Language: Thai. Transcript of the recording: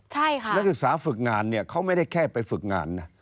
ใช่ค่ะนักศึกษาฝึกงานเนี่ยเขาไม่ได้แค่ไปฝึกงานนะ